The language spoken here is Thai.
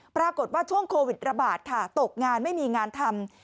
ปรากฏว่าช่วงโควิดระบาดค่ะตกงานไม่มีงานทำ